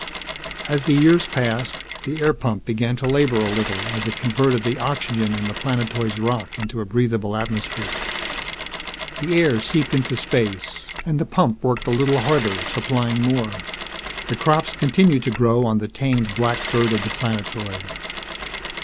As the years passed, the air pump began to labor a little as it converted the oxygen in the planetoid's rock into a breathable atmosphere. The air seeped into space, and the pump worked a little harder, supplying more. The crops continued to grow on the tamed black dirt of the planetoid.